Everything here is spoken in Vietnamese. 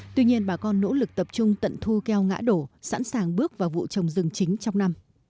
tuy nhiên bà con nỗ lực tập trung tận thu keo ngã đổ sẵn sàng bước vào vụ trồng rừng chính trong năm